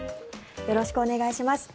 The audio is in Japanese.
よろしくお願いします。